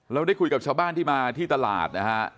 เราได้คุยกับชาวบ้านที่มาที่ตลาดนะฮะ